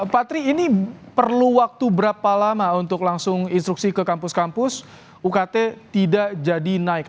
patri ini perlu waktu berapa lama untuk langsung instruksi ke kampus kampus ukt tidak jadi naik